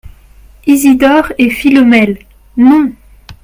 Isidore et Philomèle. — Non !